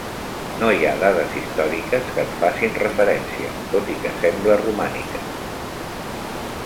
No hi ha dades històriques que en facin referència, tot i que sembla romànica.